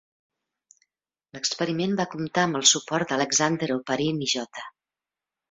L'experiment va comptar amb el suport d'Alexander Oparin i J.